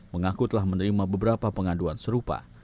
mengaku telah menerima beberapa pengaduan serupa